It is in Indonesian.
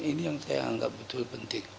ini yang saya anggap betul penting